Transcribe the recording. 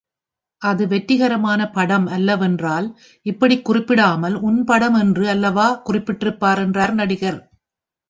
அது வெற்றிகரமான படம் அல்லவென்றால், இப்படிக் குறிப்பிடாமல் உன் படம் என்று அல்லவா குறிப்பிட்டிருப்பார் என்றார் நடிகர்.